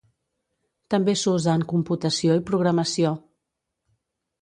També s'usa en computació i programació.